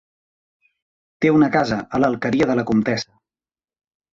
Té una casa a l'Alqueria de la Comtessa.